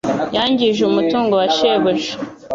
Yangije umutungo wa shebuja